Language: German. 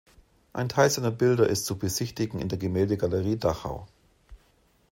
Ein Teil seiner Bilder ist zu besichtigen in der Gemäldegalerie Dachau.